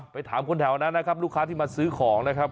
ไปถามคนแถวนั้นนะครับลูกค้าที่มาซื้อของนะครับ